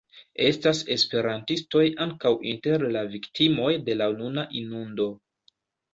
Estas esperantistoj ankaŭ inter la viktimoj de la nuna inundo.